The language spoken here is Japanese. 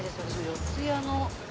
四谷の。